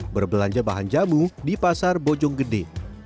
berbelanja bahan jamu di pasar bojong gede